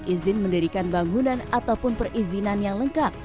izin mendirikan bangunan ataupun perizinan yang lengkap